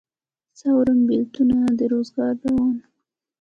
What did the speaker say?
څه اورم بېلتونه د روزګار روان